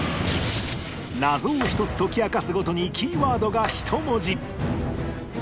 謎を１つ解き明かすごとにキーワードが１文字